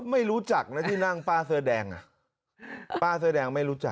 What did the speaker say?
ไม่รู้จักนะที่นั่งป้าเสื้อแดงอ่ะป้าเสื้อแดงไม่รู้จัก